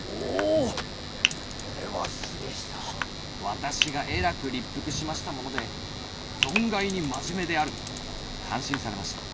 「私がえらく立腹しましたもので『存外に真面目である』と感心されました」。